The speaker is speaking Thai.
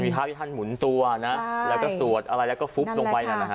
ภาพที่ท่านหมุนตัวนะแล้วก็สวดอะไรแล้วก็ฟุบลงไป